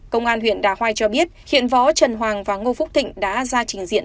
công an huyện đà hoai cho biết hiện võ trần hoàng và ngô phúc thịnh đã ra trình diện